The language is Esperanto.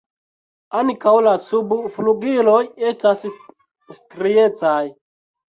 Ankaŭ la subflugiloj estas striecaj.